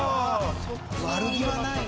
悪気はないな。